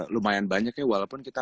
lumayan banyak ya walaupun kita